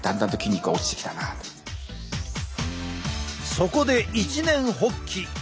そこで一念発起。